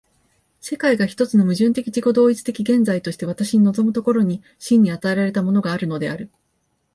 世界が一つの矛盾的自己同一的現在として私に臨む所に、真に与えられたものがあるのである。